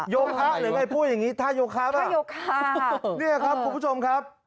โยคะหรือไงพูดอย่างนี้ท่าโยคะไหมโยคะเนี่ยครับคุณผู้ชมครับ